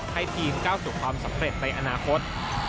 ให้ทีมก้าวสู่ความสำเร็จในอนาคต